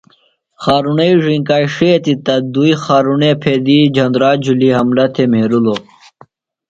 خارُݨئی زینکاݜیتیۡ تہ دُوئی خارݨے پھیدیۡ جھندرئی جُھلیۡ حملہ تھےۡ مھرِلوۡ۔